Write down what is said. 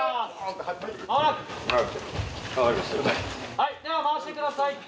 はい回してください。